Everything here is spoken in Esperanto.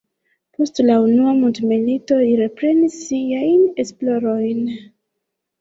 Post la Unua mondmilito li reprenis siajn esplorojn.